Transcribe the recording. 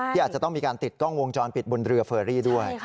อาจจะต้องมีการติดกล้องวงจรปิดบนเรือเฟอรี่ด้วย